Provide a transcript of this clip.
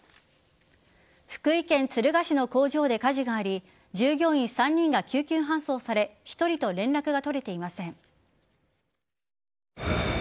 福井県敦賀市の工場で火事があり従業員３人が救急搬送され１人と連絡が取れていません。